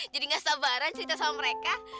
jadi gak sabaran cerita sama mereka